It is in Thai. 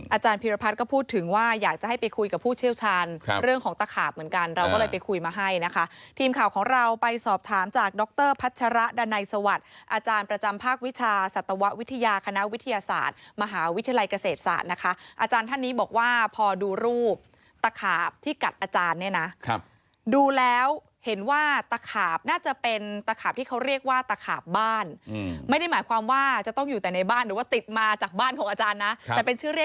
อาจารย์พิรพัฒน์ก็พูดถึงว่าอยากจะให้ไปคุยกับผู้เชี่ยวชาญเรื่องของตะขาบเหมือนกันเราก็เลยไปคุยมาให้นะคะทีมข่าวของเราไปสอบถามจากดรพัชระดานัยสวัสดิ์อาจารย์ประจำภาควิชาสัตววะวิทยาคณะวิทยาศาสตร์มหาวิทยาลัยเกษตรศาสตร์นะคะอาจารย์ท่านนี้บอกว่าพอดูรูปตะขาบที่กัดอาจารย